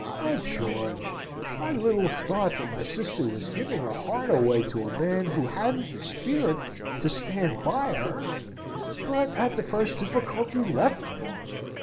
Oh, George! I little thought that my sister was giving her heart away to a man who hadn't the spirit to stand by her; but, at the first difficulty, left her!